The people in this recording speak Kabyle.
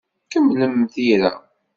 Kemmlem tira.